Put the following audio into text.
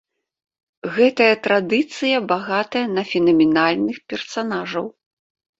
Гэтая традыцыя багатая на фенаменальных персанажаў.